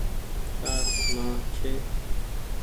تآر مان ڇي ۔